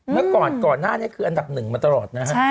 เมื่อก่อนนี่คืออันดับ๑มาตลอดนะฮะ